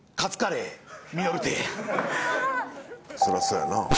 そらそうやな。